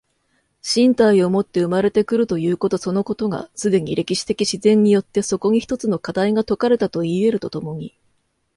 身体をもって生まれて来るということそのことが、既に歴史的自然によってそこに一つの課題が解かれたといい得ると共に